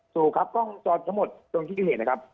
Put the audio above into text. ถูกครับกล้องจรทั้งหมดตรงที่เกิดเหตุนะครับ